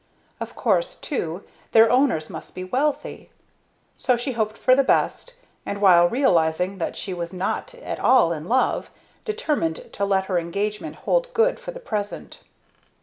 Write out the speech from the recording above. Of course, too, their owners must be wealthy. So she hoped for the best; and, while realizing that she was not at all in love, determined to let her engagement hold good for the present.